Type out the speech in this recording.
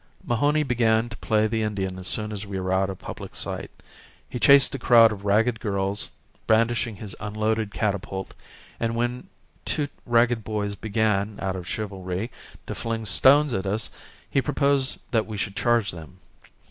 Mahony began to play the Indian as soon as we were out of public sight. He chased a crowd of ragged girls, brandishing his unloaded catapult and, when two ragged boys began, out of chivalry, to fling stones at us, he proposed that we should charge them.